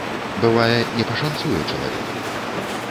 Бывае, не пашанцуе чалавеку.